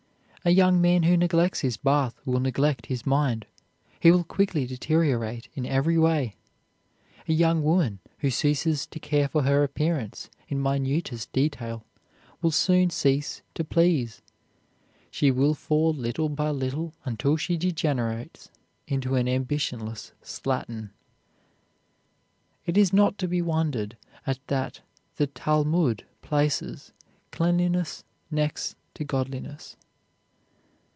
A young man who neglects his bath will neglect his mind; he will quickly deteriorate in every way. A young woman who ceases to care for her appearance in minutest detail will soon cease to please. She will fall little by little until she degenerates into an ambitionless slattern. It is not to be wondered at that the Talmud places cleanliness next to godliness.